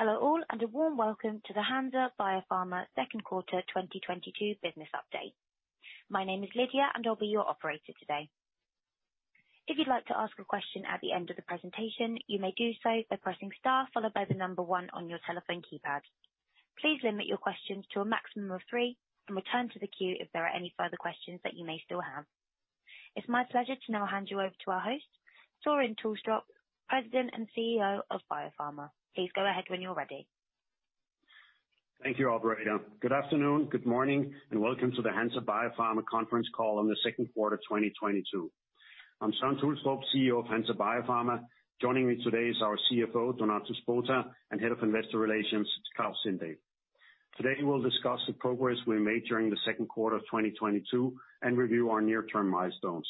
Hello all, and a warm welcome to the Hansa Biopharma second quarter 2022 business update. My name is Lydia, and I'll be your operator today. If you'd like to ask a question at the end of the presentation, you may do so by pressing star followed by the number one on your telephone keypad. Please limit your questions to a maximum of three, and return to the queue if there are any further questions that you may still have. It's my pleasure to now hand you over to our host, Søren Tulstrup, President and CEO of Hansa Biopharma. Please go ahead when you're ready. Thank you, operator. Good afternoon, good morning, and welcome to the Hansa Biopharma conference call on the second quarter, 2022. I'm Søren Tulstrup, CEO of Hansa Biopharma. Joining me today is our CFO, Donato Spota, and Head of Investor Relations, Klaus Sindahl. Today, we'll discuss the progress we made during the second quarter of 2022 and review our near-term milestones.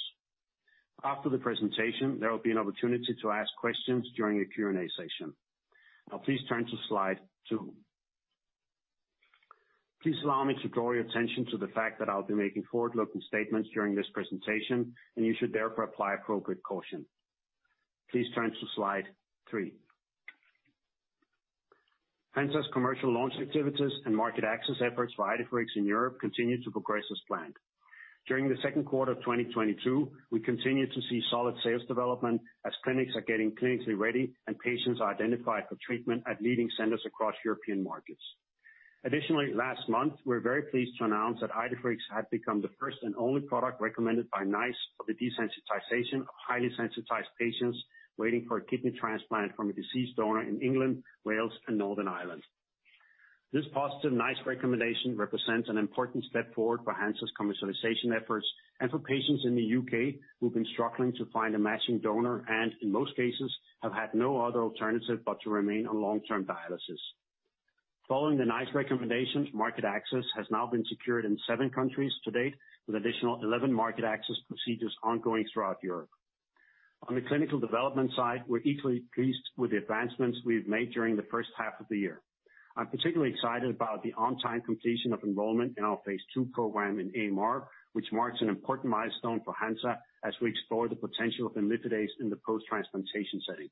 After the presentation, there will be an opportunity to ask questions during the Q&A session. Now please turn to slide two. Please allow me to draw your attention to the fact that I'll be making forward-looking statements during this presentation, and you should therefore apply appropriate caution. Please turn to slide three. Hansa's commercial launch activities and market access efforts for Idefirix in Europe continue to progress as planned. During the second quarter of 2022, we continued to see solid sales development as clinics are getting clinically ready and patients are identified for treatment at leading centers across European markets. Additionally, last month, we're very pleased to announce that Idefirix had become the first and only product recommended by NICE for the desensitization of highly sensitized patients waiting for a kidney transplant from a deceased donor in England, Wales, and Northern Ireland. This positive NICE recommendation represents an important step forward for Hansa's commercialization efforts and for patients in the U.K. who've been struggling to find a matching donor and, in most cases, have had no other alternative but to remain on long-term dialysis. Following the NICE recommendations, market access has now been secured in seven countries to date, with additional 11 market access procedures ongoing throughout Europe. On the clinical development side, we're equally pleased with the advancements we've made during the first half of the year. I'm particularly excited about the on-time completion of enrollment in our phase II program in AMR, which marks an important milestone for Hansa as we explore the potential of imlifidase in the post-transplantation setting.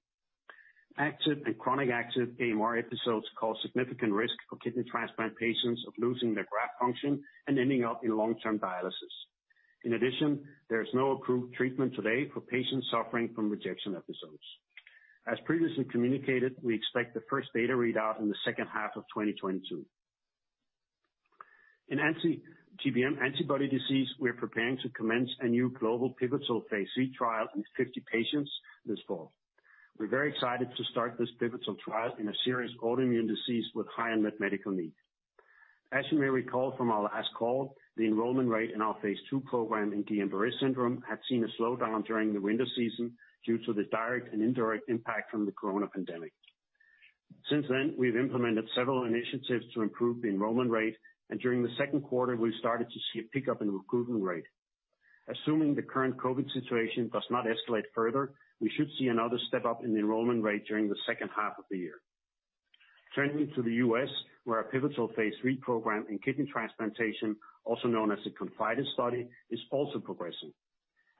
Active and chronic active AMR episodes cause significant risk for kidney transplant patients of losing their graft function and ending up in long-term dialysis. In addition, there is no approved treatment today for patients suffering from rejection episodes. As previously communicated, we expect the first data readout in the second half of 2022. In anti-GBM antibody disease, we're preparing to commence a new global pivotal phase III trial in 50 patients this fall. We're very excited to start this pivotal trial in a serious autoimmune disease with high unmet medical need. As you may recall from our last call, the enrollment rate in our phase II program in Guillain-Barré syndrome had seen a slowdown during the winter season due to the direct and indirect impact from the corona pandemic. Since then, we've implemented several initiatives to improve the enrollment rate, and during the second quarter, we started to see a pickup in recruitment rate. Assuming the current COVID situation does not escalate further, we should see another step up in the enrollment rate during the second half of the year. Turning to the U.S., where our pivotal phase III program in kidney transplantation, also known as the ConfIdeS study, is also progressing.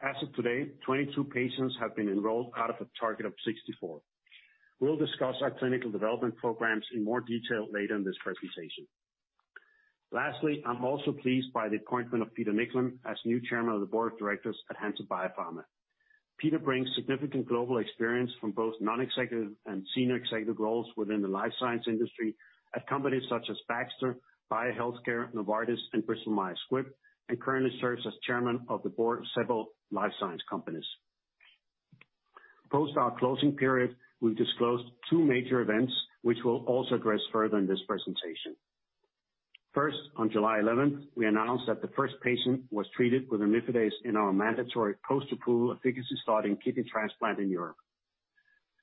As of today, 22 patients have been enrolled out of a target of 64. We'll discuss our clinical development programs in more detail later in this presentation. Lastly, I'm also pleased by the appointment of Peter Nicklin as new Chairman of the Board of Directors at Hansa Biopharma. Peter brings significant global experience from both non-executive and senior executive roles within the life science industry at companies such as Baxter, BiHealthcare, Novartis, and Bristol Myers Squibb, and currently serves as Chairman of the Board of several life science companies. Post our closing period, we've disclosed two major events, which we'll also address further in this presentation. First, on July 11th, we announced that the first patient was treated with imlifidase in our mandatory post-approval efficacy study in kidney transplant in Europe.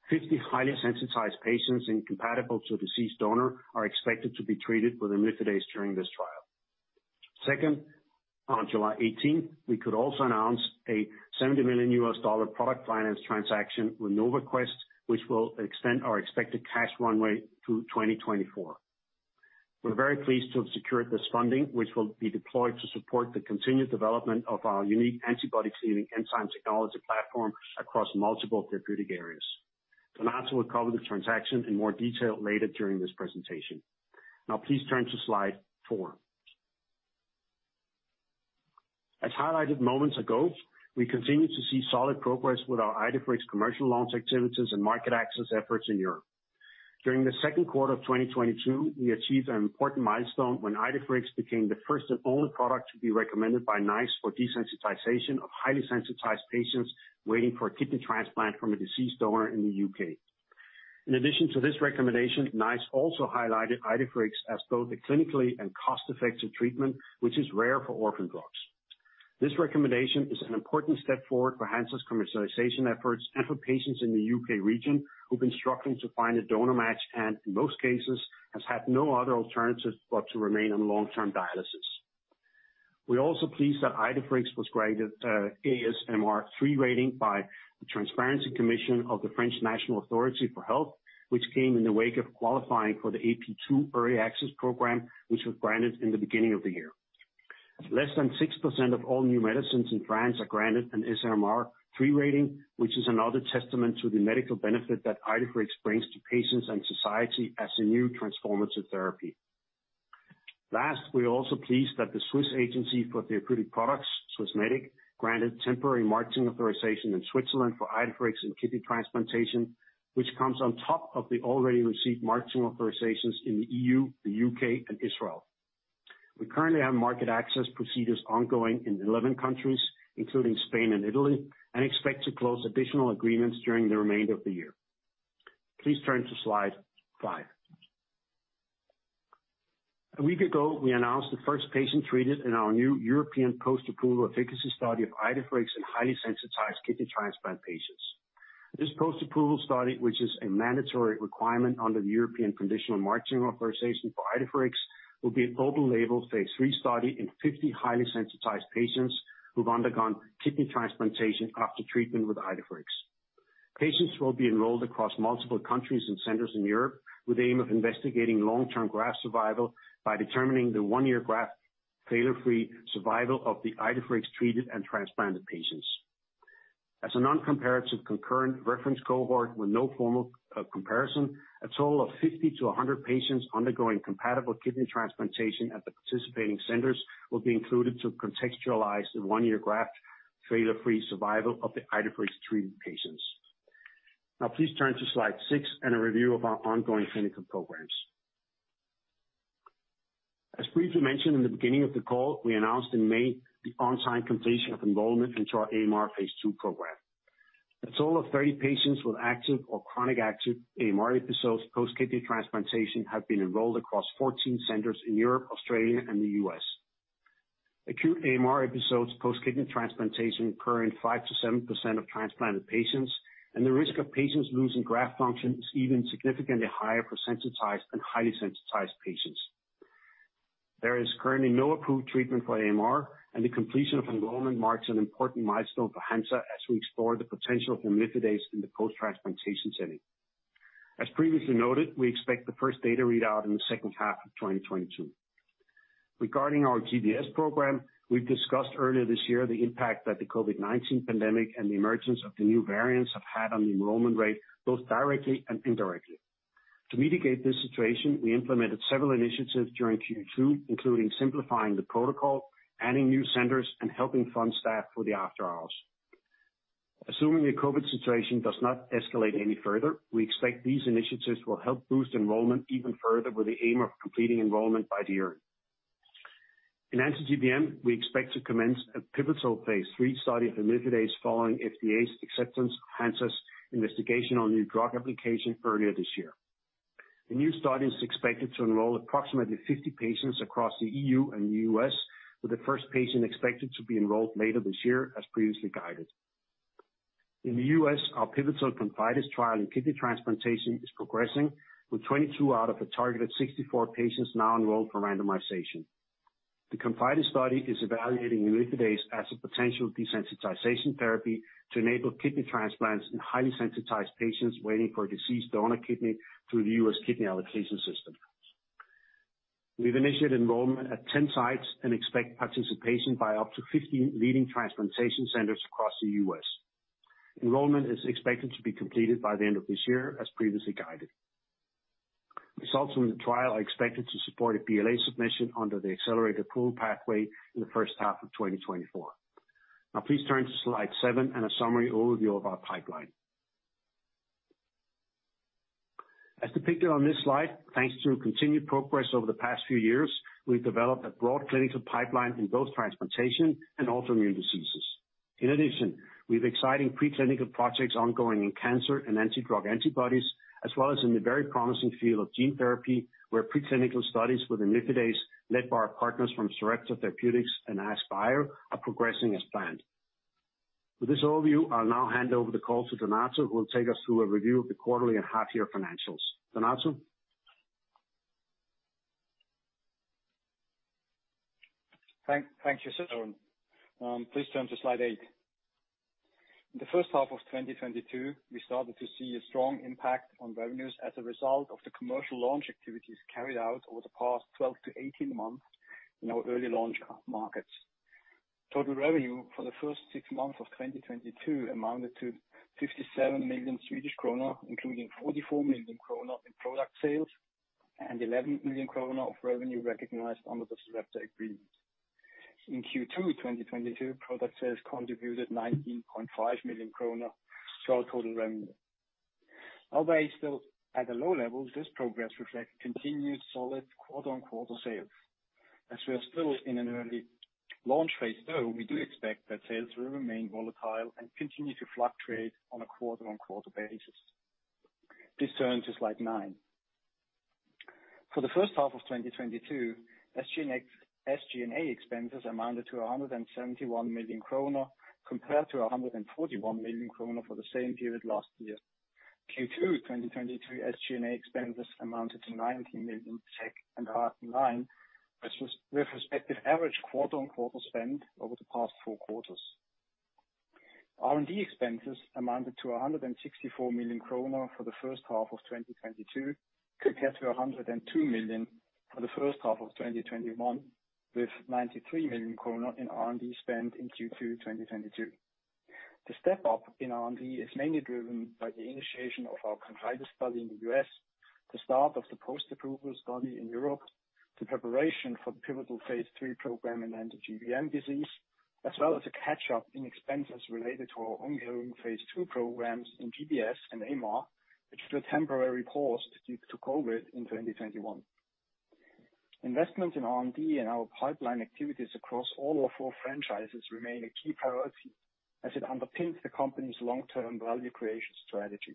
50 highly sensitized patients incompatible to a deceased donor are expected to be treated with imlifidase during this trial. Second, on July 18th, we could also announce a $70 million product finance transaction with NovaQuest, which will extend our expected cash runway through 2024. We're very pleased to have secured this funding, which will be deployed to support the continued development of our unique antibody-cleaving enzyme technology platform across multiple therapeutic areas. Donato will cover the transaction in more detail later during this presentation. Now please turn to slide four. As highlighted moments ago, we continue to see solid progress with our Idefirix commercial launch activities and market access efforts in Europe. During the second quarter of 2022, we achieved an important milestone when Idefirix became the first and only product to be recommended by NICE for desensitization of highly sensitized patients waiting for a kidney transplant from a deceased donor in the UK. In addition to this recommendation, NICE also highlighted Idefirix as both a clinically and cost-effective treatment, which is rare for orphan drugs. This recommendation is an important step forward for Hansa's commercialization efforts and for patients in the U.K. region who've been struggling to find a donor match and, in most cases, has had no other alternative but to remain on long-term dialysis. We're also pleased that Idefirix was graded ASMR 3 rating by the Transparency Committee of the French National Authority for Health, which came in the wake of qualifying for the AP2 early access program, which was granted in the beginning of the year. Less than 6% of all new medicines in France are granted an SMR free rating, which is another testament to the medical benefit that Idefirix brings to patients and society as a new transformative therapy. Last, we are also pleased that the Swiss agency for therapeutic products, Swissmedic, granted temporary marketing authorization in Switzerland for Idefirix and kidney transplantation, which comes on top of the already received marketing authorizations in the EU, the U.K., and Israel. We currently have market access procedures ongoing in 11 countries, including Spain and Italy, and expect to close additional agreements during the remainder of the year. Please turn to slide five. A week ago, we announced the first patient treated in our new European post-approval efficacy study of Idefirix in highly sensitized kidney transplant patients. This post-approval study, which is a mandatory requirement under the European conditional marketing authorization for Idefirix, will be a global label phase III study in 50 highly sensitized patients who've undergone kidney transplantation after treatment with Idefirix. Patients will be enrolled across multiple countries and centers in Europe, with the aim of investigating long-term graft survival by determining the one-year graft failure-free survival of the Idefirix-treated and transplanted patients. As a non-comparative concurrent reference cohort with no formal comparison, a total of 50 to 100 patients undergoing compatible kidney transplantation at the participating centers will be included to contextualize the one-year graft failure-free survival of the Idefirix-treated patients. Now please turn to slide six and a review of our ongoing clinical programs. As briefly mentioned in the beginning of the call, we announced in May the on-time completion of enrollment into our AMR phase II program. A total of 30 patients with active or chronic active AMR episodes post-kidney transplantation have been enrolled across 14 centers in Europe, Australia, and the U.S. Acute AMR episodes post-kidney transplantation occur in 5%-7% of transplanted patients, and the risk of patients losing graft function is even significantly higher for sensitized and highly sensitized patients. There is currently no approved treatment for AMR, and the completion of enrollment marks an important milestone for Hansa as we explore the potential of imlifidase in the post-transplantation setting. As previously noted, we expect the first data readout in the second half of 2022. Regarding our GBS program, we've discussed earlier this year the impact that the COVID-19 pandemic and the emergence of the new variants have had on the enrollment rate, both directly and indirectly. To mitigate this situation, we implemented several initiatives during Q2, including simplifying the protocol, adding new centers, and helping fund staff for the after-hours. Assuming the COVID situation does not escalate any further, we expect these initiatives will help boost enrollment even further, with the aim of completing enrollment by the year. In anti-GBM, we expect to commence a pivotal phase III study of imlifidase following FDA's acceptance of Hansa's investigational new drug application earlier this year. The new study is expected to enroll approximately 50 patients across the EU and U.S., with the first patient expected to be enrolled later this year as previously guided. In the U.S., our pivotal ConfIdeS trial in kidney transplantation is progressing, with 22 out of a targeted 64 patients now enrolled for randomization. The ConfIdeS study is evaluating imlifidase as a potential desensitization therapy to enable kidney transplants in highly sensitized patients waiting for a deceased donor kidney through the U.S. kidney allocation system. We've initiated enrollment at 10 sites and expect participation by up to 15 leading transplantation centers across the U.S. Enrollment is expected to be completed by the end of this year, as previously guided. Results from the trial are expected to support a BLA submission under the accelerated approval pathway in the first half of 2024. Now please turn to slide seven and a summary overview of our pipeline. As depicted on this slide, thanks to continued progress over the past few years, we've developed a broad clinical pipeline in both transplantation and autoimmune diseases. In addition, we have exciting pre-clinical projects ongoing in cancer and anti-drug antibodies, as well as in the very promising field of gene therapy, where pre-clinical studies with imlifidase led by our partners from Sarepta Therapeutics and AskBio are progressing as planned. With this overview, I'll now hand over the call to Donato, who will take us through a review of the quarterly and half-year financials. Donato? Thank you, Søren. Please turn to slide eight. In the first half of 2022, we started to see a strong impact on revenues as a result of the commercial launch activities carried out over the past 12-18 months in our early launch markets. Total revenue for the first six months of 2022 amounted to 57 million Swedish kronor, including 44 million kronor in product sales and 11 million kronor of revenue recognized under the Sarepta agreement. In Q2 2022, product sales contributed 19.5 million kronor to our total revenue. Although it is still at a low level, this progress reflects continued solid quarter-on-quarter sales. We are still in an early launch phase though. We do expect that sales will remain volatile and continue to fluctuate on a quarter-on-quarter basis. Please turn to slide nine. For the first half of 2022, SG&A expenses amounted to 171 million kronor, compared to 141 million kronor for the same period last year. Q2 2022 SG&A expenses amounted to 90 million and are in line with the average quarter-on-quarter spend over the past four quarters. R&D expenses amounted to 164 million kronor for the first half of 2022, compared to 102 million for the first half of 2021, with 93 million kronor in R&D spend in Q2 2022. The step up in R&D is mainly driven by the initiation of our ConfIdeS study in the U.S., the start of the post-approval study in Europe, the preparation for the pivotal phase III program in anti-GBM disease, as well as a catch-up in expenses related to our ongoing phase II programs in GBS and AMR, which were temporarily paused due to COVID in 2021. Investment in R&D and our pipeline activities across all our four franchises remain a key priority as it underpins the company's long-term value creation strategy.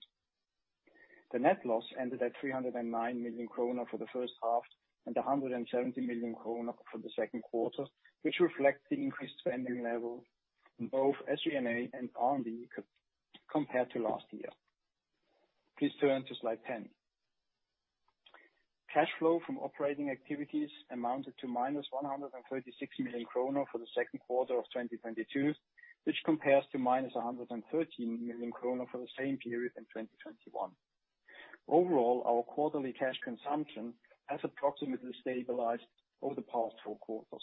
The net loss ended at 309 million kronor for the first half and 170 million kronor for the second quarter, which reflects the increased spending level in both SG&A and R&D compared to last year. Please turn to slide 10. Cash flow from operating activities amounted to -136 million kronor for the second quarter of 2022, which compares to -113 million kronor for the same period in 2021. Overall, our quarterly cash consumption has approximately stabilized over the past four quarters.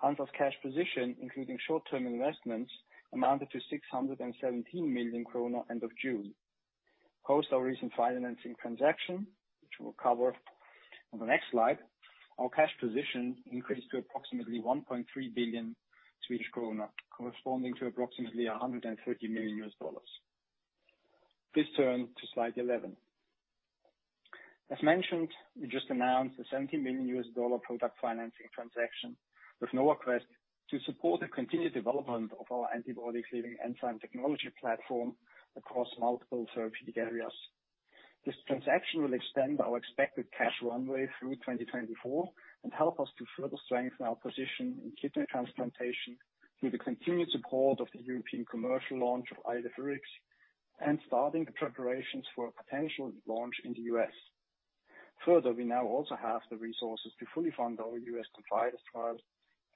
Hansa's cash position, including short-term investments, amounted to 617 million kronor end of June. Post our recent financing transaction, which we'll cover on the next slide, our cash position increased to approximately 1.3 billion Swedish krona, corresponding to approximately $130 million. Please turn to slide 11. As mentioned, we just announced a $70 million product financing transaction with NovaQuest to support the continued development of our antibody-cleaving enzyme technology platform across multiple therapeutic areas. This transaction will extend our expected cash runway through 2024 and help us to further strengthen our position in kidney transplantation through the continued support of the European commercial launch of Idefirix, and starting the preparations for a potential launch in the U.S. Further, we now also have the resources to fully fund our U.S. ConfIdeS trial,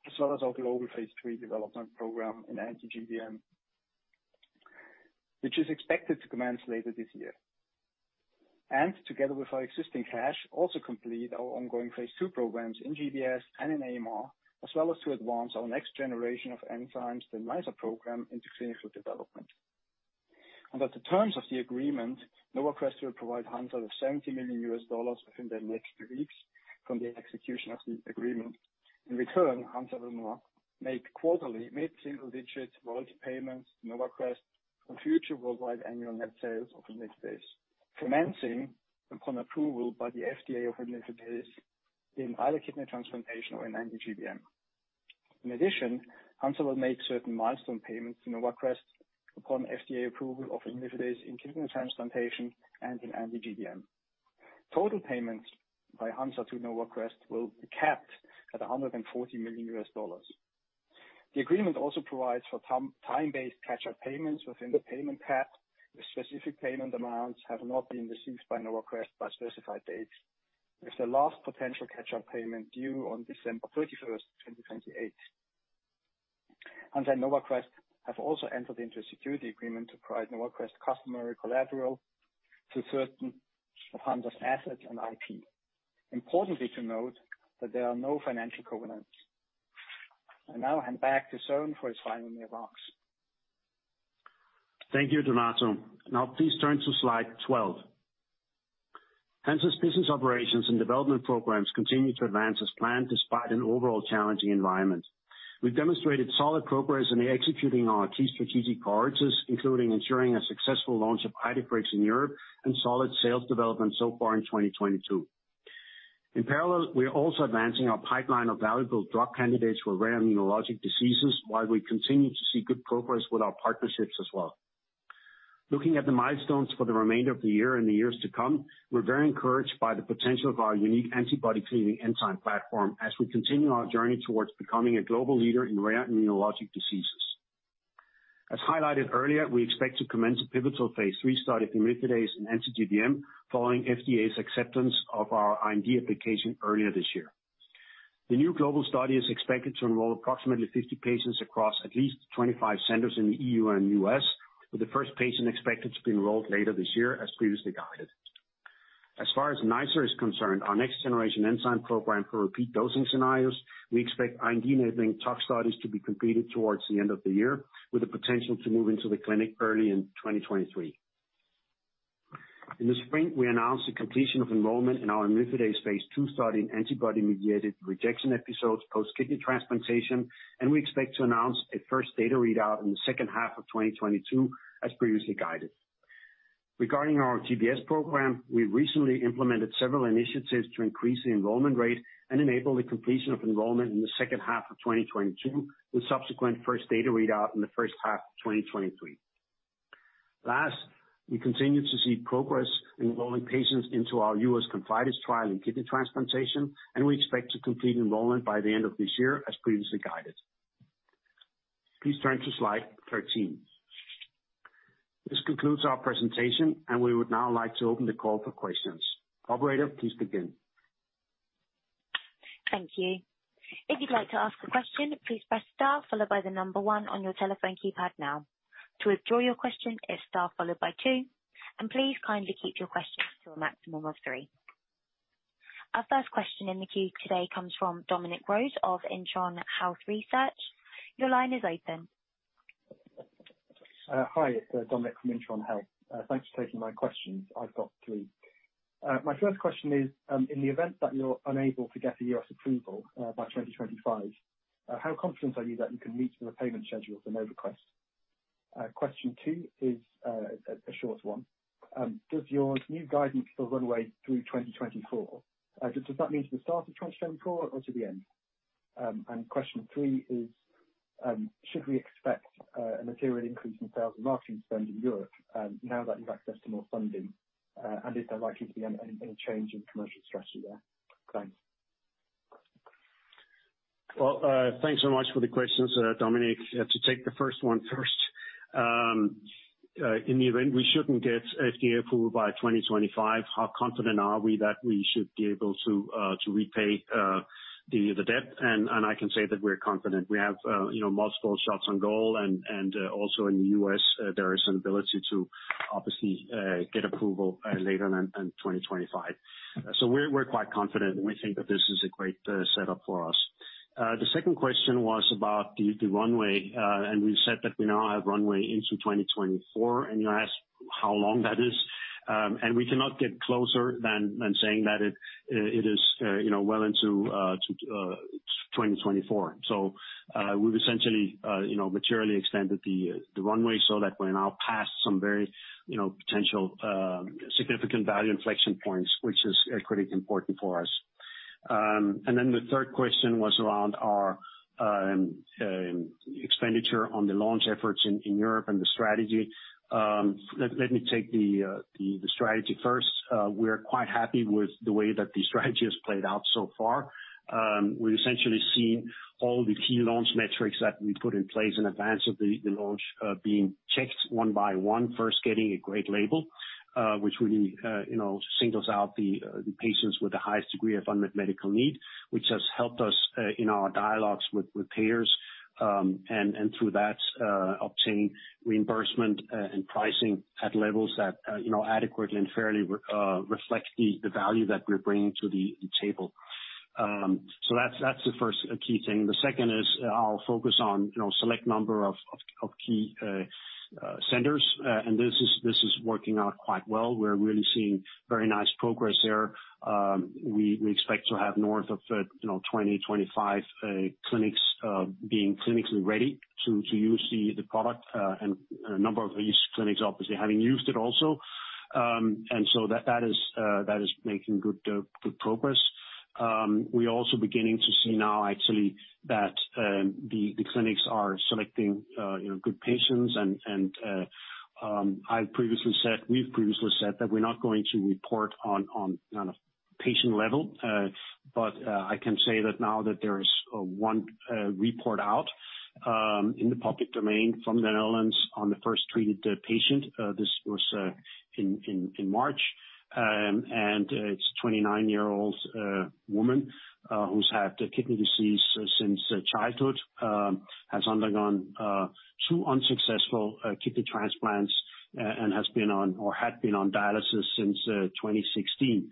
as well as our global phase III development program in anti-GBM, which is expected to commence later this year. Together with our existing cash, also complete our ongoing phase II programs in GBS and in AMR, as well as to advance our next generation of enzymes, the NiceR program, into clinical development. Under the terms of the agreement, NovaQuest will provide Hansa with $70 million within the next three weeks from the execution of the agreement. In return, Hansa will now make quarterly mid-single-digit royalty payments to NovaQuest for future worldwide annual net sales of Idefirix, commencing upon approval by the FDA of Idefirix in either kidney transplantation or in anti-GBM. In addition, Hansa will make certain milestone payments to NovaQuest upon FDA approval of Idefirix in kidney transplantation and in anti-GBM. Total payments by Hansa to NovaQuest will be capped at $140 million. The agreement also provides for time-based catch-up payments within the payment cap if specific payment amounts have not been received by NovaQuest by specified dates, with the last potential catch-up payment due on December 31, 2028. Hansa and NovaQuest have also entered into a security agreement to provide NovaQuest with collateral to certain of Hansa's assets and IP. Importantly to note that there are no financial covenants. I now hand back to Søren for his final remarks. Thank you, Donato. Now please turn to slide 12. Hansa's business operations and development programs continue to advance as planned despite an overall challenging environment. We've demonstrated solid progress in executing our key strategic priorities, including ensuring a successful launch of Idefirix in Europe and solid sales development so far in 2022. In parallel, we are also advancing our pipeline of valuable drug candidates for rare immunologic diseases while we continue to see good progress with our partnerships as well. Looking at the milestones for the remainder of the year and the years to come, we're very encouraged by the potential of our unique antibody-cleaving enzyme platform as we continue our journey towards becoming a global leader in rare immunologic diseases. As highlighted earlier, we expect to commence a pivotal phase III study for imlifidase and anti-GBM following FDA's acceptance of our IND application earlier this year. The new global study is expected to enroll approximately 50 patients across at least 25 centers in the E.U. and U.S., with the first patient expected to be enrolled later this year as previously guided. As far as NiceR is concerned, our next-generation enzyme program for repeat dosing scenarios, we expect IND-enabling tox studies to be completed towards the end of the year, with the potential to move into the clinic early in 2023. In the spring, we announced the completion of enrollment in our imlifidase phase II study in antibody-mediated rejection episodes post kidney transplantation, and we expect to announce a first data readout in the second half of 2022 as previously guided. Regarding our GBS program, we recently implemented several initiatives to increase the enrollment rate and enable the completion of enrollment in the second half of 2022, with subsequent first data readout in the first half of 2023. Last, we continue to see progress enrolling patients into our U.S. ConfIdeS trial in kidney transplantation, and we expect to complete enrollment by the end of this year as previously guided. Please turn to slide 13. This concludes our presentation, and we would now like to open the call for questions. Operator, please begin. Thank you. If you'd like to ask a question, please press Star followed by the number one on your telephone keypad now. To withdraw your question, it's Star followed by two, and please kindly keep your questions to a maximum of three. Our first question in the queue today comes from Dominic Rose of Intron Health Research. Your line is open. Hi. It's Dominic from Intron Health. Thanks for taking my questions. I've got three. My first question is, in the event that you're unable to get a U.S. approval by 2025, how confident are you that you can meet the repayment schedules and other requests? Question two is a short one. Does your new guidance still run through 2024? Does that mean to the start of 2024 or to the end? Question three is, should we expect a material increase in sales and marketing spend in Europe, now that you have access to more funding, and is there likely to be any change in commercial strategy there? Thanks. Well, thanks so much for the questions, Dominic. To take the first one first. In the event we shouldn't get FDA approval by 2025, how confident are we that we should be able to repay the debt? I can say that we're confident. We have you know, multiple shots on goal and also in the U.S., there is an ability to obviously get approval later in 2025. We're quite confident, and we think that this is a great setup for us. The second question was about the runway, and we said that we now have runway into 2024, and you asked how long that is. We cannot get closer than saying that it is, you know, well into 2024. We've essentially, you know, materially extended the runway so that we're now past some very, you know, potential, significant value inflection points, which is pretty important for us. The third question was around our expenditure on the launch efforts in Europe and the strategy. Let me take the strategy first. We're quite happy with the way that the strategy has played out so far. We essentially seen all the key launch metrics that we put in place in advance of the launch being checked one by one, first getting a great label, which really you know singles out the patients with the highest degree of unmet medical need, which has helped us in our dialogues with payers, and through that obtain reimbursement and pricing at levels that you know adequately and fairly reflect the value that we're bringing to the table. That's the first key thing. The second is I'll focus on you know select number of key centers, and this is working out quite well. We're really seeing very nice progress there. We expect to have north of, you know, 20-25 clinics being clinically ready to use the product, and a number of these clinics obviously having used it also. That is making good progress. We're also beginning to see now actually that the clinics are selecting good patients. We've previously said that we're not going to report on a patient level, but I can say that now that there's one report out in the public domain from the Netherlands on the first treated patient. This was in March, and it's a 29-year-old woman who's had kidney disease since childhood, has undergone two unsuccessful kidney transplants and has been on or had been on dialysis since 2016.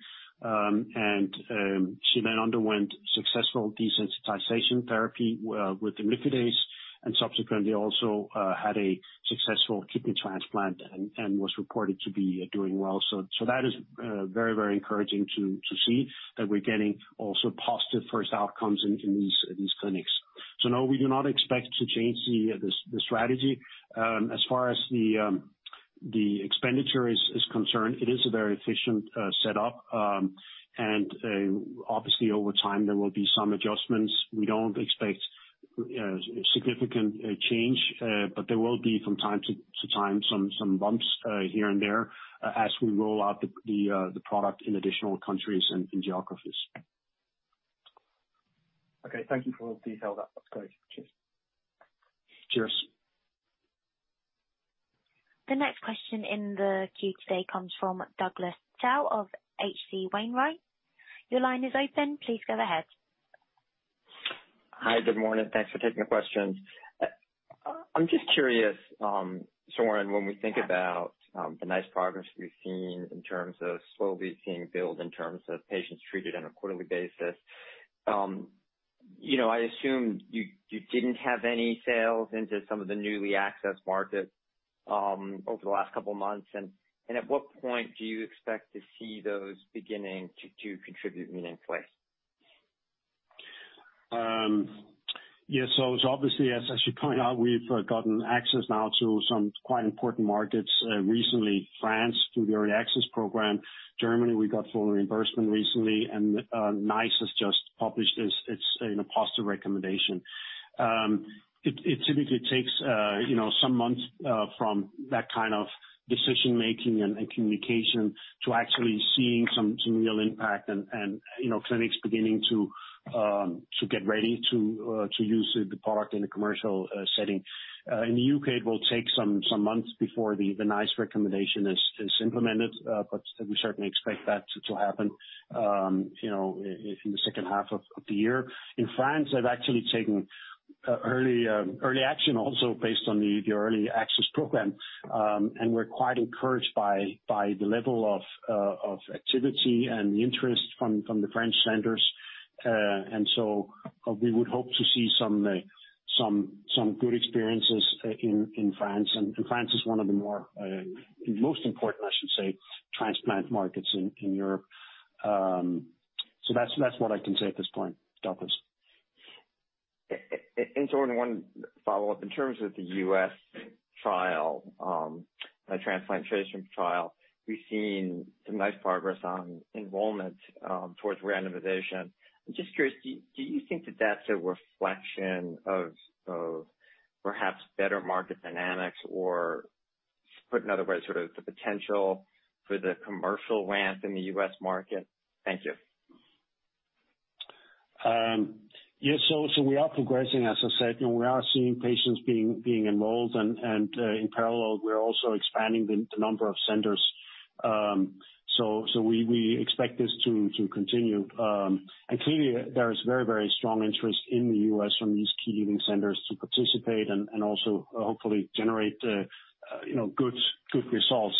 She then underwent successful desensitization therapy with imlifidase and subsequently also had a successful kidney transplant and was reported to be doing well. That is very encouraging to see that we're getting also positive first outcomes in these clinics. No, we do not expect to change the strategy. As far as the expenditure is concerned, it is a very efficient setup. Obviously over time there will be some adjustments. We don't expect significant change, but there will be from time to time some bumps here and there as we roll out the product in additional countries and in geographies. Okay. Thank you for all the details. That's great. Cheers. Cheers. The next question in the queue today comes from Douglas Tsao of H.C. Wainwright. Your line is open. Please go ahead. Hi. Good morning. Thanks for taking the question. I'm just curious, Søren, when we think about the NiceR progress we've seen in terms of slowly seeing build in terms of patients treated on a quarterly basis, you know, I assume you didn't have any sales into some of the newly accessed markets over the last couple of months. At what point do you expect to see those beginning to contribute meaningfully? Yes, it's obviously, as you point out, we've gotten access now to some quite important markets. Recently France through the early access program. Germany, we got full reimbursement recently and NICE has just published its positive recommendation. It typically takes some months from that kind of decision-making and communication to actually seeing some real impact and clinics beginning to get ready to use the product in a commercial setting. In the U.K., it will take some months before the NICE recommendation is implemented, but we certainly expect that to happen in the second half of the year. In France, they've actually taken early action also based on the early access program, and we're quite encouraged by the level of activity and the interest from the French centers. We would hope to see some good experiences in France. France is one of the most important, I should say, transplant markets in Europe. That's what I can say at this point, Douglas. On one follow-up, in terms of the U.S. trial, the transplant patient trial, we've seen some nice progress on enrollment towards randomization. I'm just curious, do you think that that's a reflection of perhaps better market dynamics? Or put another way, sort of the potential for the commercial ramp in the U.S. market? Thank you. Yes. We are progressing, as I said, you know, we are seeing patients being enrolled and in parallel, we're also expanding the number of centers. We expect this to continue. Clearly there is very strong interest in the U.S. from these key leading centers to participate and also hopefully generate, you know, good results,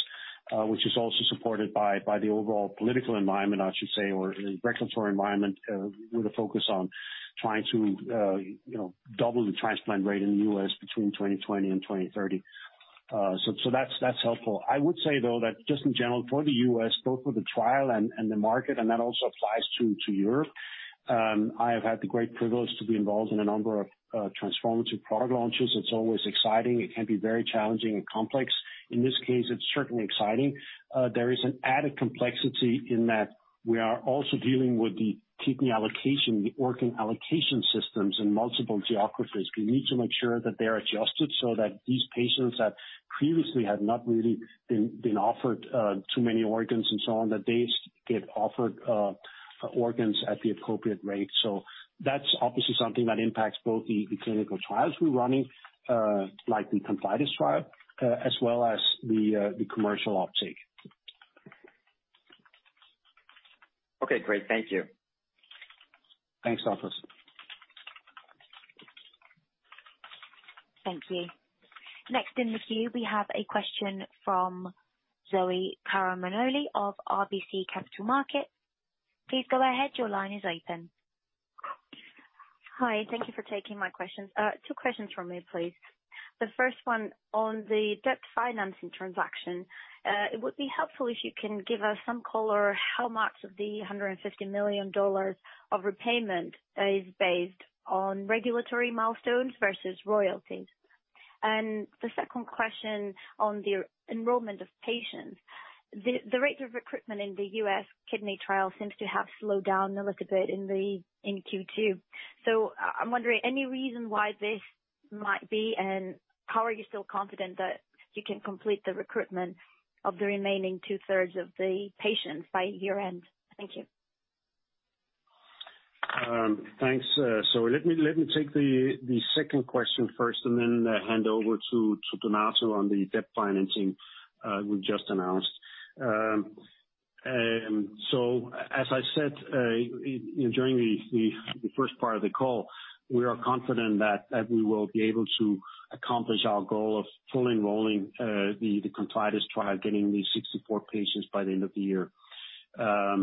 which is also supported by the overall political environment, I should say, or the regulatory environment, with a focus on trying to double the transplant rate in the U.S. between 2020 and 2030. That's helpful. I would say though that just in general, for the U.S., both for the trial and the market, and that also applies to Europe. I have had the great privilege to be involved in a number of transformative product launches. It's always exciting. It can be very challenging and complex. In this case, it's certainly exciting. There is an added complexity in that we are also dealing with the kidney allocation, the organ allocation systems in multiple geographies. We need to make sure that they're adjusted so that these patients that previously had not really been offered too many organs and so on, that they get offered organs at the appropriate rate. That's obviously something that impacts both the clinical trials we're running, like the ConfIdeS trial, as well as the commercial uptake. Okay, great. Thank you. Thanks, Douglas. Thank you. Next in the queue, we have a question from Zoe Karamanoli of RBC Capital Markets. Please go ahead. Your line is open. Hi. Thank you for taking my questions. Two questions from me, please. The first one on the debt financing transaction. It would be helpful if you can give us some color how much of the $150 million of repayment is based on regulatory milestones versus royalties. The second question on the enrollment of patients. The rate of recruitment in the U.S. kidney trial seems to have slowed down a little bit in Q2. I'm wondering, any reason why this might be, and how are you still confident that you can complete the recruitment of the remaining two-thirds of the patients by year-end? Thank you. Thanks, Zoe. Let me take the second question first and then hand over to Donato on the debt financing we've just announced. As I said, you know, during the first part of the call, we are confident that we will be able to accomplish our goal of fully enrolling the ComfIdeS trial, getting the 64 patients by the end of the year. Yes,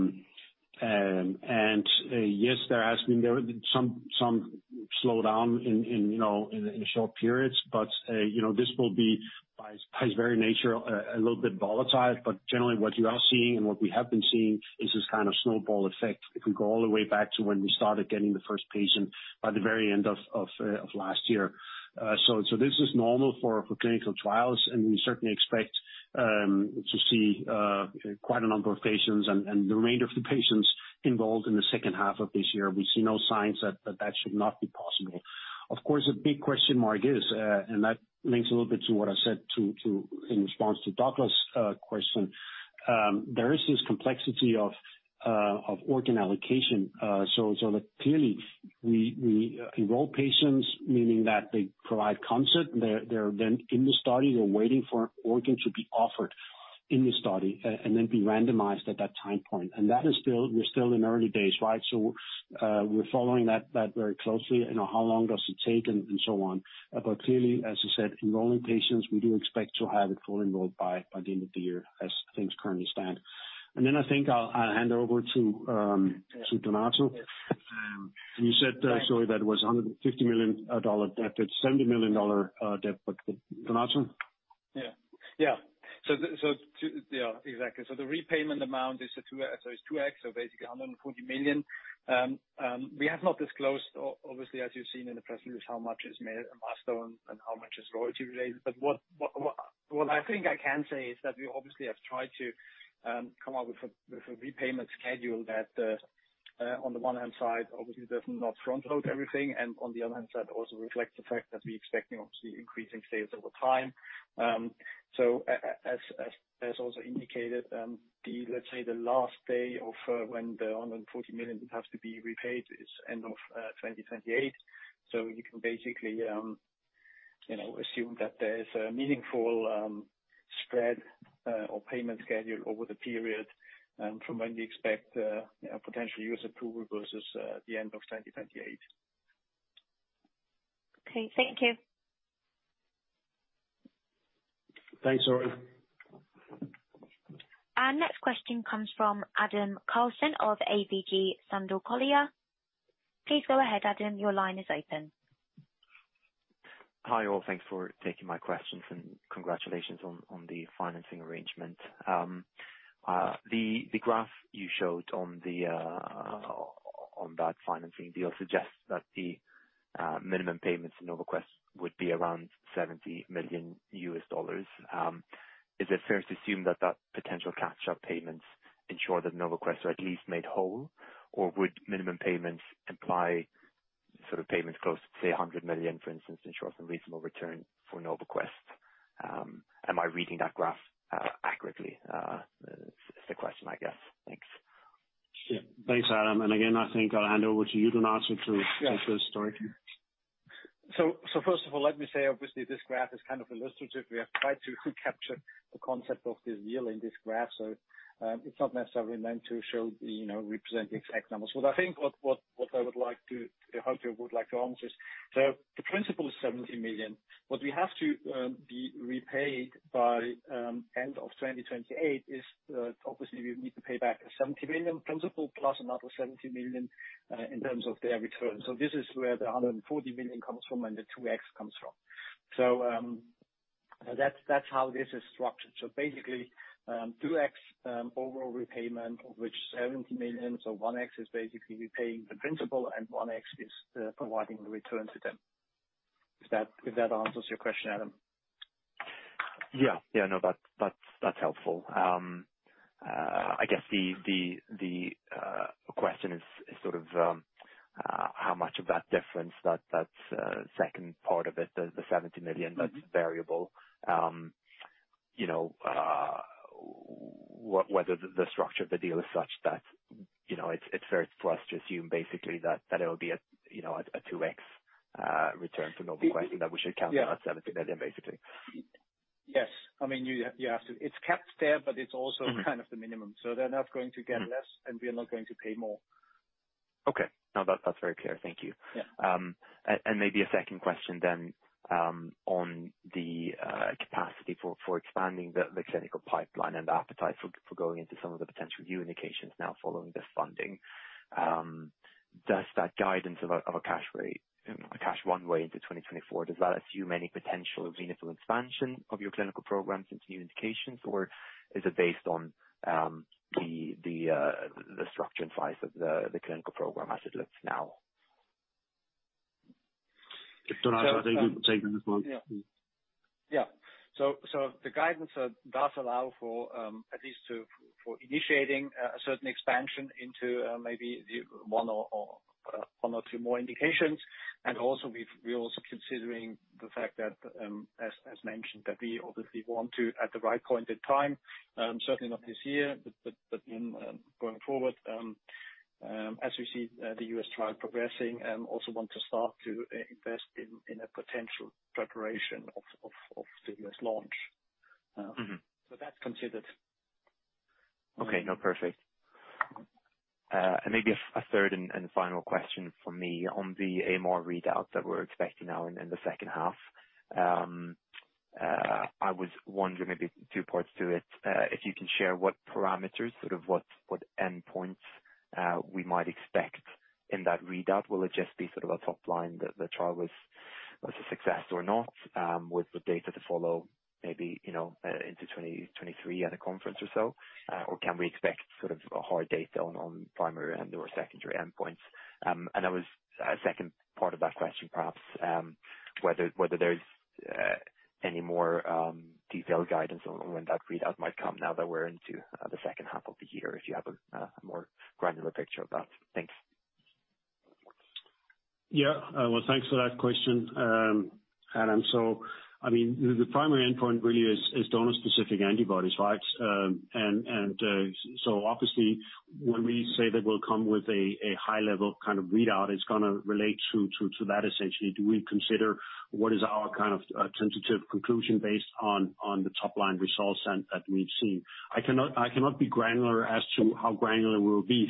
there has been some slowdown in, you know, in the short periods, but you know, this will be by its very nature a little bit volatile. Generally what you are seeing and what we have been seeing is this kind of snowball effect. If we go all the way back to when we started getting the first patient by the very end of last year. This is normal for clinical trials, and we certainly expect to see quite a number of patients and the remainder of the patients involved in the second half of this year. We see no signs that should not be possible. Of course, a big question mark is that links a little bit to what I said in response to Douglas' question. There is this complexity of organ allocation. Clearly we enroll patients, meaning that they provide consent. They're then in the study. They're waiting for organs to be offered in the study and then be randomized at that time point. We're still in early days, right? We're following that very closely. You know, how long does it take and so on. Clearly, as I said, enrolling patients, we do expect to have it fully enrolled by the end of the year as things currently stand. Then I think I'll hand over to. Yes. To Donato. Yes. You said, Zoe, that it was $150 million debt. It's $70 million debt, but Donato? The repayment amount is 2x, basically 140 million. We have not disclosed, obviously, as you've seen in the press release, how much is met at milestone and how much is royalty related. What I think I can say is that we obviously have tried to come up with a repayment schedule that, on the one hand side obviously does not front load everything and on the other hand side also reflects the fact that we're expecting obviously increasing sales over time. As also indicated, the last day when the 140 million has to be repaid is end of 2028. You can basically, you know, assume that there's a meaningful spread or payment schedule over the period from when we expect a potential U.S. approval versus the end of 2028. Okay, thank you. Thanks, Zoe. Our next question comes from Adam Karlsson of ABG Sundal Collier. Please go ahead, Adam. Your line is open. Hi, all. Thanks for taking my questions, and congratulations on the financing arrangement. The graph you showed on that financing deal suggests that the minimum payments to NovaQuest would be around $70 million. Is it fair to assume that that potential catch-up payments ensure that NovaQuest are at least made whole? Or would minimum payments imply sort of payments close to, say, $100 million, for instance, ensure some reasonable return for NovaQuest? Am I reading that graph accurately, is the question, I guess. Thanks. Yeah. Thanks, Adam. Again, I think I'll hand over to you ,Donato, to answer to. Yeah. To start. First of all, let me say, obviously, this graph is kind of illustrative. We have tried to capture the concept of this deal in this graph. It's not necessarily meant to show or represent the exact numbers. What I would like to, or Hansa would like to answer is, the principal is $70 million. What we have to be repaid by end of 2028 is, obviously we need to pay back the $70 million principal plus another $70 million in terms of their return. This is where the $140 million comes from and the 2x comes from. That's how this is structured. Basically, 2x overall repayment, of which $70 million, so 1x, is basically repaying the principal, and 1x is providing the return to them. If that answers your question, Adam. Yeah, no, that's helpful. I guess the question is sort of how much of that difference that's the second part of it, the $70 million- Mm-hmm. ...that's variable. Whether the structure of the deal is such that, you know, it's fair for us to assume basically that it'll be a, you know, a 2x return for NovaQuest. Yeah. That we should count on that $70 million, basically. Yes. I mean, you have to. It's capped there, but it's also. Mm-hmm. Kind of the minimum. They're not going to get less. Mm-hmm. We are not going to pay more. Okay. No, that's very clear. Thank you. Yeah. Maybe a second question on the capacity for expanding the clinical pipeline and the appetite for going into some of the potential new indications now following this funding. Does that guidance of a cash runway into 2024 assume any potential meaningful expansion of your clinical programs into new indications, or is it based on the structure and size of the clinical program as it looks now? Donato, do you want to take this one? The guidance does allow for at least for initiating a certain expansion into maybe one or two more indications. We're also considering the fact that, as mentioned, we obviously want to, at the right point in time, certainly not this year, but then going forward, as we see the U.S. trial progressing, also want to start to invest in a potential preparation of the U.S. launch. Mm-hmm. That's considered. Okay. No, perfect. Maybe a third and final question from me on the AMR readout that we're expecting now in the second half. I was wondering maybe two parts to it. If you can share what parameters, sort of what endpoints we might expect in that readout. Will it just be sort of a top line that the trial was a success or not, with the data to follow maybe into 2023 at a conference or so? Or can we expect sort of a hard data on primary and/or secondary endpoints? Second part of that question, perhaps, whether there's any more detailed guidance on when that readout might come now that we're into the second half of the year, if you have a more granular picture of that. Thanks. Yeah. Well, thanks for that question, Adam. I mean, the primary endpoint really is donor-specific antibodies, right? Obviously, when we say that we'll come with a high level kind of readout, it's gonna relate to that essentially. So we consider what our kind of tentative conclusion based on the top-line results that we've seen. I cannot be granular as to how granular we'll be.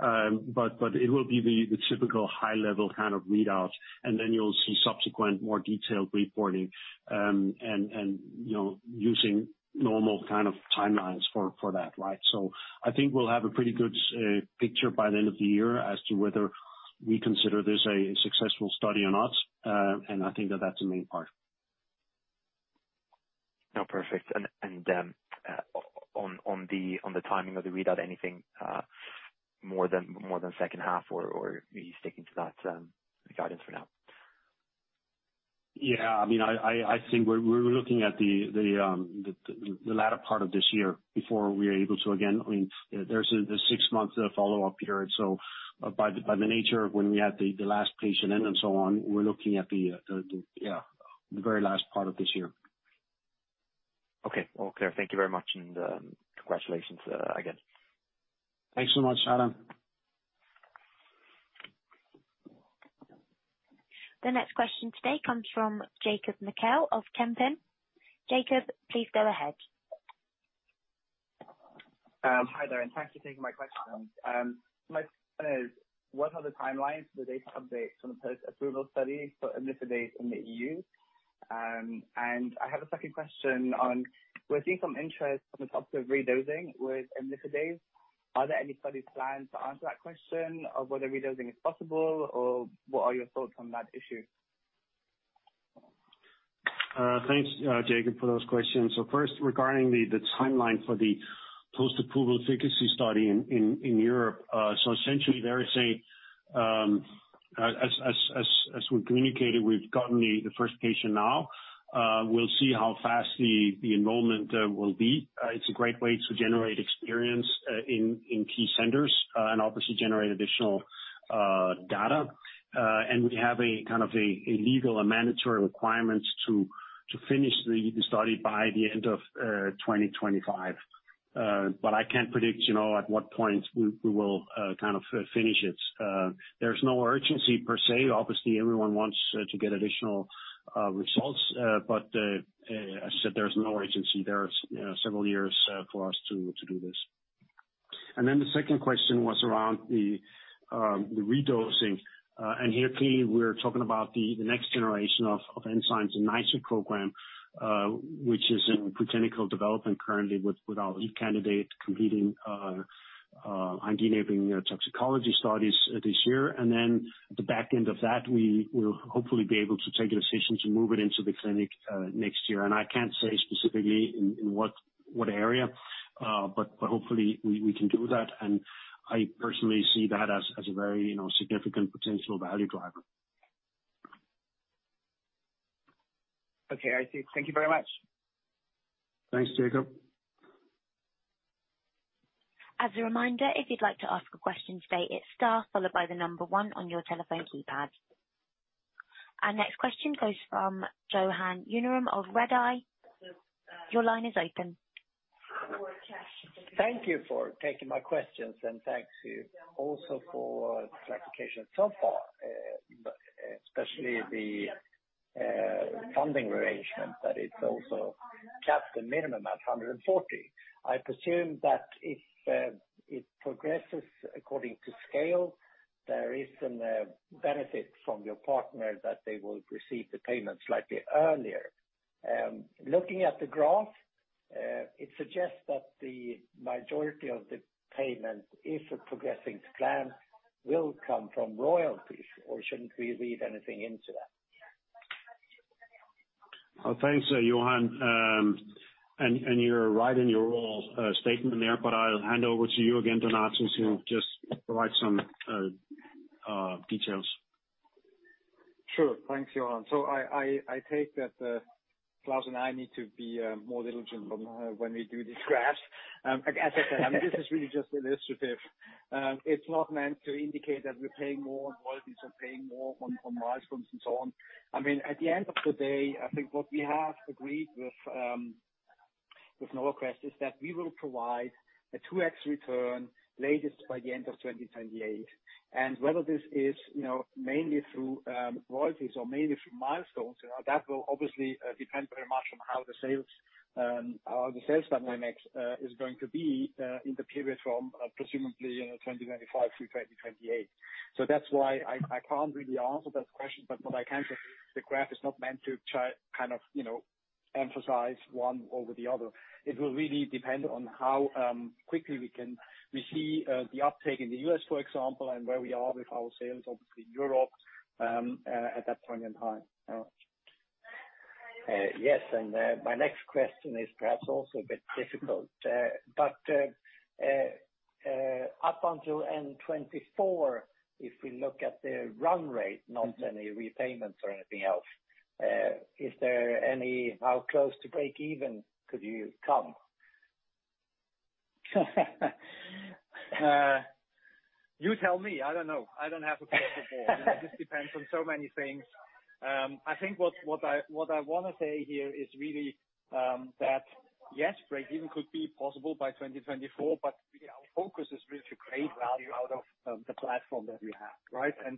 It will be the typical high level kind of readout, and then you'll see subsequent more detailed reporting, and you know, using normal kind of timelines for that, right? I think we'll have a pretty good picture by the end of the year as to whether we consider this a successful study or not, and I think that that's the main part. No, perfect. On the timing of the readout, anything more than second half or are you sticking to that guidance for now? Yeah. I mean, I think we're looking at the latter part of this year before we're able to again. I mean, there's the six-month follow-up period, so by the nature of when we had the last patient in and so on, we're looking at, yeah, the very last part of this year. Okay, all clear. Thank you very much and, congratulations, again. Thanks so much, Adam. The next question today comes from Jacob Michèl of Kempen. Jacob, please go ahead. Hi there, and thank you for taking my question. What are the timelines for the data updates from the post-approval study for imlifidase in the EU? I have a second question on, we're seeing some interest on the topic of redosing with imlifidase. Are there any study plans to answer that question of whether redosing is possible or what are your thoughts on that issue? Thanks, Jacob for those questions. First, regarding the timeline for the post-approval efficacy study in Europe. Essentially there is a, as we communicated, we've gotten the first patient now. We'll see how fast the enrollment will be. It's a great way to generate experience in key centers and obviously generate additional data. We have a kind of a legal and mandatory requirements to finish the study by the end of 2025. I can't predict, you know, at what point we will kind of finish it. There's no urgency per se. Obviously, everyone wants to get additional results. As I said, there's no urgency. There is several years for us to do this. The second question was around the redosing. Here clearly we're talking about the next generation of Hansa's NiceR program, which is in preclinical development currently with our lead candidate completing on enabling toxicology studies this year. At the back end of that, we will hopefully be able to take a decision to move it into the clinic next year. I can't say specifically in what area, but hopefully we can do that. I personally see that as a very, you know, significant potential value driver. Okay. I see. Thank you very much. Thanks, Jacob. As a reminder, if you'd like to ask a question today, it's star followed by the number one on your telephone keypad. Our next question goes from Johan Unnérus of Redeye. Your line is open. Thank you for taking my questions, and thanks to all for this presentation so far, especially the funding arrangement that also caps the minimum at 140. I presume that if it progresses according to plan, there is some benefit to your partner that they will receive the payment slightly earlier. Looking at the graph, it suggests that the majority of the payment, if progressing as planned, will come from royalties or shouldn't we read anything into that? Thanks, Johan. You're right in your whole statement there, but I'll hand over to you again, Donato, who just provide some details. Sure. Thanks, Johan. I take that, Klaus and I need to be more diligent on when we do these graphs. As I said, I mean, this is really just illustrative. It's not meant to indicate that we're paying more on royalties or paying more on milestones and so on. I mean, at the end of the day, I think what we have agreed with NovaQuest is that we will provide a 2x return latest by the end of 2028. Whether this is, you know, mainly through royalties or mainly through milestones, you know, that will obviously depend very much on how the sales dynamics is going to be in the period from, presumably, you know, 2025 through 2028. That's why I can't really answer that question, but what I can say, the graph is not meant to try kind of, you know, emphasize one over the other. It will really depend on how quickly we see the uptake in the US, for example, and where we are with our sales, obviously, Europe at that point in time. Yes. My next question is perhaps also a bit difficult. Up until end 2024, if we look at the run rate, not any repayments or anything else, is there any how close to breakeven could you come? You tell me. I don't know. I don't have a crystal ball. It just depends on so many things. I think what I wanna say here is really that yes, breakeven could be possible by 2024, but our focus is really to create value out of the platform that we have, right? I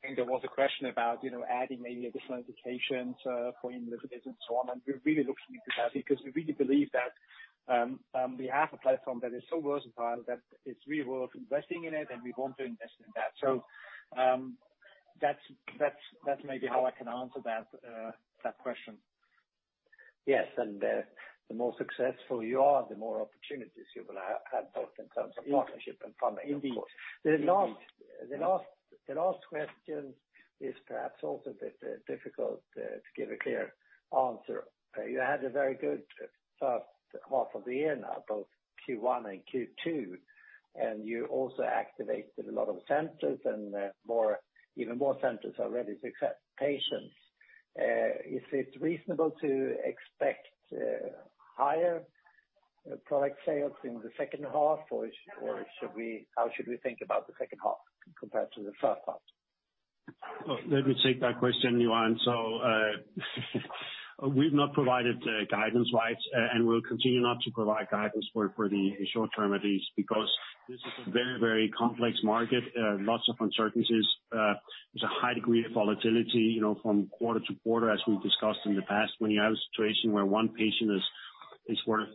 think there was a question about, you know, adding maybe additional indications for imlifidase and so on. We're really looking into that because we really believe that we have a platform that is so versatile that it's really worth investing in it, and we want to invest in that. That's maybe how I can answer that question. Yes. The more successful you are, the more opportunities you will have both in terms of partnership and funding, of course. Indeed. The last question is perhaps also a bit difficult to give a clear answer. You had a very good first half of the year now, both Q1 and Q2, and you also activated a lot of centers and even more centers are ready to accept patients. Is it reasonable to expect higher product sales in the second half, or how should we think about the second half compared to the first half? Well, let me take that question, Johan. We've not provided guidance-wise, and we'll continue not to provide guidance for the short term at least because this is a very, very complex market. Lots of uncertainties. There's a high degree of volatility, you know, from quarter-to-quarter, as we've discussed in the past. When you have a situation where one patient is worth,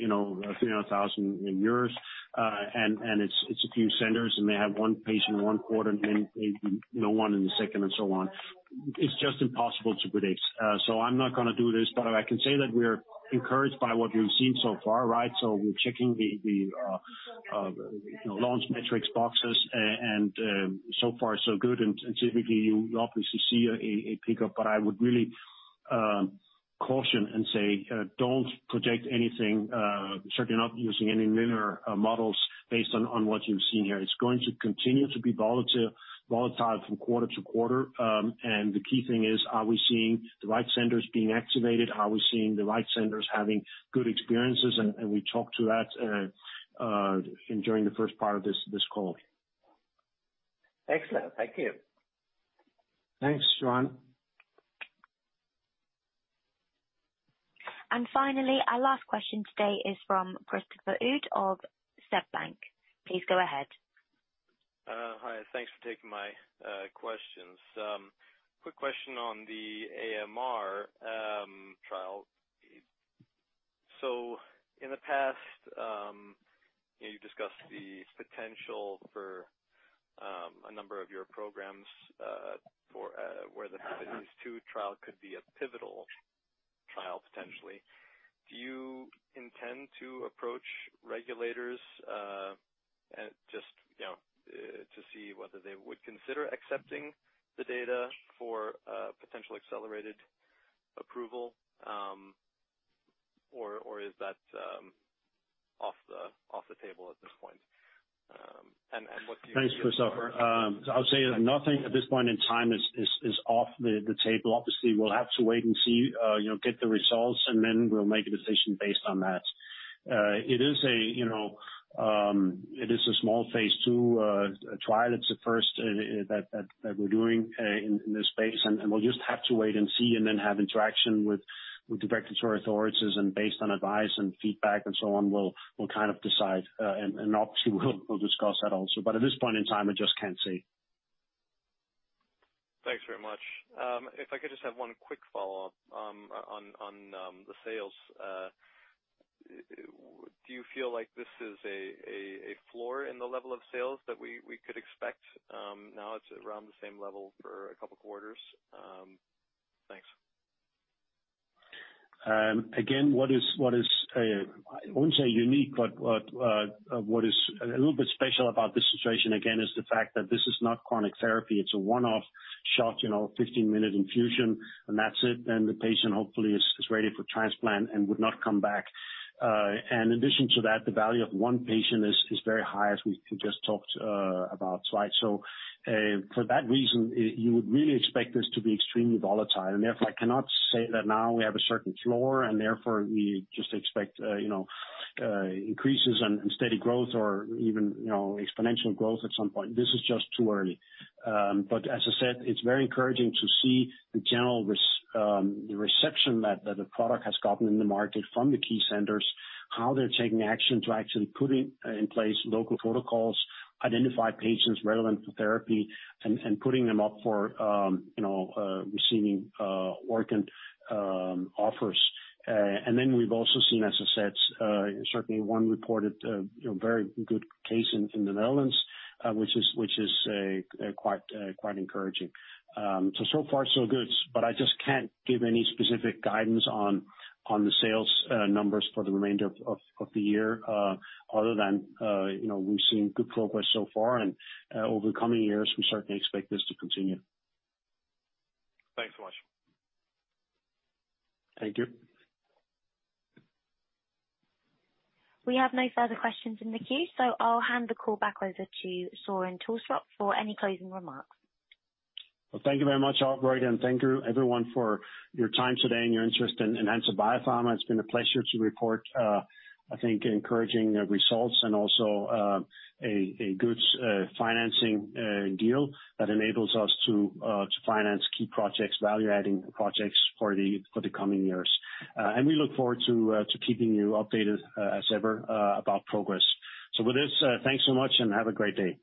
you know, a few hundred thousand EUR, and it's a few centers, and they have one patient in one quarter and then maybe, you know, one in the second and so on, it's just impossible to predict. I'm not gonna do this, but I can say that we're encouraged by what we've seen so far, right? We're checking the you know launch metrics boxes and so far so good. Typically you obviously see a pickup but I would really caution and say don't project anything certainly not using any linear models based on what you've seen here. It's going to continue to be volatile from quarter to quarter. The key thing is are we seeing the right centers being activated? Are we seeing the right centers having good experiences? We talked to that during the first part of this call. Excellent. Thank you. Thanks, Johan. Finally, our last question today is from Christopher Uhde of SEB. Please go ahead. Hi. Thanks for taking my questions. Quick question on the AMR trial. In the past, you know, you've discussed the potential for a number of your programs for where the phase 2 trial could be a pivotal trial potentially. Do you intend to approach regulators at just, you know, to see whether they would consider accepting the data for a potential accelerated approval? Or is that off the table at this point? And what's your- Thanks, Christopher. I'll say nothing at this point in time is off the table. Obviously, we'll have to wait and see, you know, get the results, and then we'll make a decision based on that. It is a, you know, small phase II trial. It's the first that we're doing in this space, and we'll just have to wait and see and then have interaction with regulatory authorities. Based on advice and feedback and so on, we'll kind of decide, and obviously we'll discuss that also. At this point in time, I just can't say. Thanks very much. If I could just have one quick follow-up, on the sales. Do you feel like this is a floor in the level of sales that we could expect, now it's around the same level for a couple quarters? Thanks. Again, what is a little bit special about this situation is the fact that this is not chronic therapy. It's a one-off shot, you know, 15-minute infusion and that's it. Then the patient hopefully is ready for transplant and would not come back. In addition to that, the value of one patient is very high, as we just talked about, right? For that reason, you would really expect this to be extremely volatile. Therefore, I cannot say that now we have a certain floor and therefore we just expect, you know, increases and steady growth or even, you know, exponential growth at some point. This is just too early. As I said, it's very encouraging to see the general reception that the product has gotten in the market from the key centers, how they're taking action to actually putting in place local protocols, identify patients relevant to therapy, and putting them up for, you know, receiving organ offers. We've also seen, as I said, certainly one reported, you know, very good case in the Netherlands, which is quite encouraging. So far so good, but I just can't give any specific guidance on the sales numbers for the remainder of the year, other than, you know, we've seen good progress so far, and over the coming years we certainly expect this to continue. Thanks so much. Thank you. We have no further questions in the queue, so I'll hand the call back over to Søren Tulstrup for any closing remarks. Well, thank you very much, operator, and thank you everyone for your time today and your interest in Hansa Biopharma. It's been a pleasure to report, I think encouraging results and also, a good financing deal that enables us to finance key projects, value-adding projects for the coming years. And we look forward to keeping you updated as ever about progress. With this, thanks so much and have a great day.